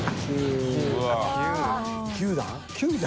９段？